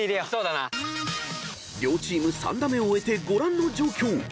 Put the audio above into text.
［両チーム３打目を終えてご覧の状況］